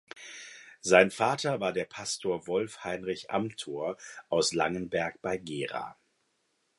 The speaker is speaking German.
Sein Vater war der Pastor Wolf Heinrich Amthor aus Langenberg bei Gera.